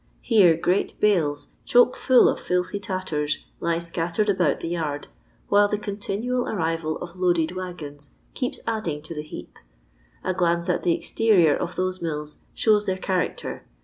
Here great bales, choke full of filthy tatters, lie scattered about the yard, while the continual arrival of loaded waggons keeps adding to the heap. A glance at the exterior of these mills shows their character.